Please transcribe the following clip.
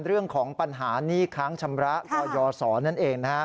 เรื่องของปัญหานี่ค้างชำระก่อยสอนั่นเอง